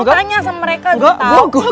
lo tanya sama mereka juga tau